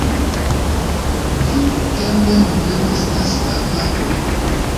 Vi tamen vere estas afabla.